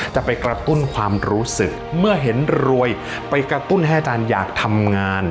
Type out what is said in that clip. จะไปกระตุ้นความรู้สึกเมื่อเห็นรวยไปกระตุ้นให้อาจารย์อยากทำงาน